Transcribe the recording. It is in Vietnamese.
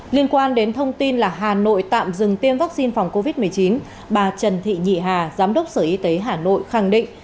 liên quan đến thông tin là hà nội tạm dừng tiêm vaccine phòng covid một mươi chín bà trần thị nhị hà giám đốc sở y tế hà nội khẳng định